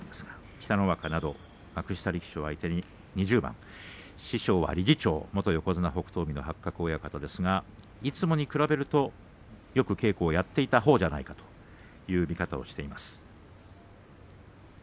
北の若など幕下力士を相手に２０番師匠は理事長元横綱北勝海の八角親方ですがいつもに比べるとよく稽古をやっていたほうじゃないかという見方をしていました。